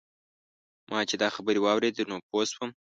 ما چې دا خبرې واورېدې نو پوی شوم.